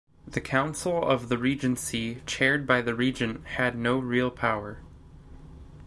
The Council of the Regency, chaired by the regent, had no real power.